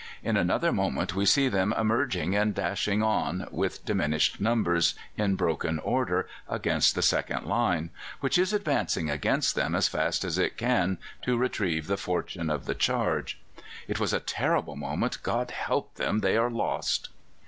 In another moment we see them emerging and dashing on with diminished numbers, in broken order, against the second line, which is advancing against them as fast as it can to retrieve the fortune of the charge. "It was a terrible moment. God help them! they are lost!